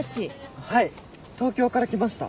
はい東京から来ました。